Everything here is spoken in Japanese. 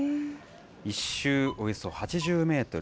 １周およそ８０メートル。